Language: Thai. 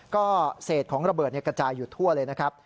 ก็เศษของระเบิดกระจายอยู่ทั่วเลยนะครับ